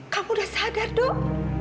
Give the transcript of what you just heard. kamu udah sadar dok